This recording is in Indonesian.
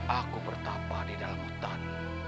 aku bertapah di dalam hutan